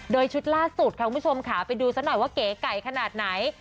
โดยชุดล่าสุดค่ะคุณผู้ชมค่ะไปดูซะหน่อยว่าเก๋ไก่ขนาดไหน